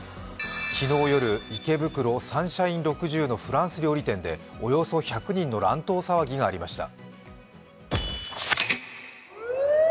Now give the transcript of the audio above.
昨日夜、池袋サンシャイン６０のフランス料理店でおよそ１００人の乱闘騒ぎがありました。